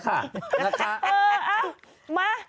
นะคะเออเอ้ามา